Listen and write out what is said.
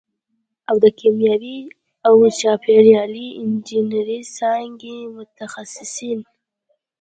او د کیمیاوي او چاپېریالي انجینرۍ څانګې متخصصین